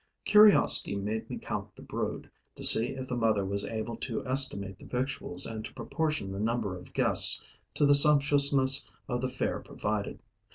Curiosity made me count the brood, to see if the mother was able to estimate the victuals and to proportion the number of guests to the sumptuousness of the fare provided.